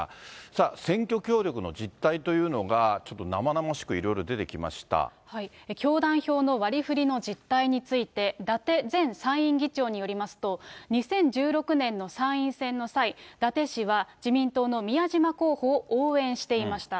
さあ、選挙協力の実態というのが、ちょっと生々しくいろいろ出てきまし教団票の割りふりの実態について、伊達前参院議長によりますと、２０１６年の参院選の際、伊達氏は自民党の宮島候補を応援していました。